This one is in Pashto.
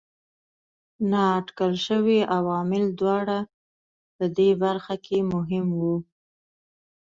نااټکل شوي عوامل دواړه په دې برخه کې مهم وو.